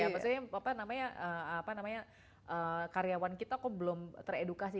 maksudnya apa namanya karyawan kita kok belum teredukasi